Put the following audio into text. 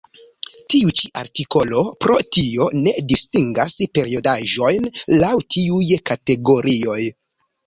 Tiu ĉi artikolo pro tio ne distingas periodaĵojn laŭ tiuj kategorioj.